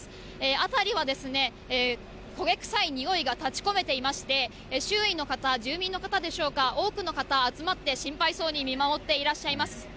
辺りは焦げ臭いにおいが立ち込めていまして、周囲の方、住民の方でしょうか、多くの方、集まって心配そうに見守っていらっしゃいます。